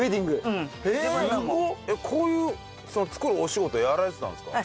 こういう作るお仕事やられてたんですか？